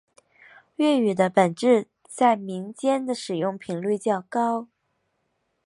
粤语的本字在民间的使用率较高。